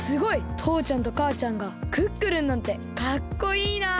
とうちゃんとかあちゃんがクックルンなんてかっこいいな！